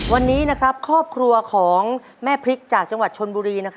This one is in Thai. วันนี้ครอบครัวของแม่พริกจากจังหวัดชนบุรี